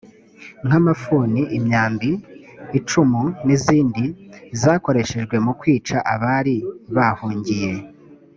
nk amafuni imyambi icumu n izindi zakoreshejwe mu kwica abari bahungiye